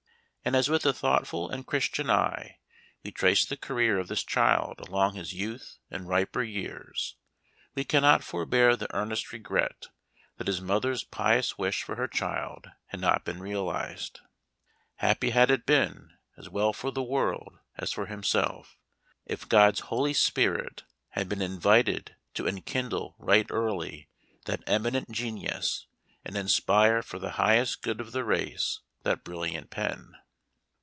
And as with a thoughtful and Christian eye we trace the career of this child along his youth and riper years, we cannot forbear the earnest regret that his mother's pious wish for her child had not been realized. Happy had it been, as well for the world as for himself, if God's Holy Spirit had been invited to enkindle right early that eminent genius, and inspire for the highest good of the race that brilliant pen